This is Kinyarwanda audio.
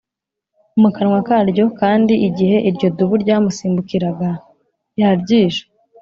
mu kanwa karyo Kandi igihe iryo dubu ryamusimbukiraga yaryishe